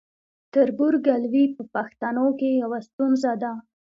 تربورګلوي په پښتنو کې یوه ستونزه ده.